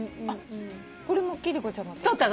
これも貴理子ちゃんが撮った？